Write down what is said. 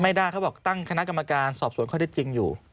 ไม่ได้เขาบอกตั้งคณะกรรมการสอบสวนข้อได้จริงอยู่